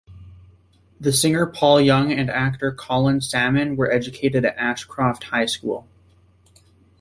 The singer Paul Young and actor Colin Salmon were educated at Ashcroft High School.